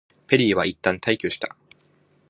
ペリーはいったん退去した。